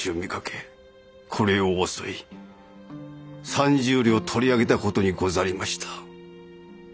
これを襲い３０両取り上げた事にござりました。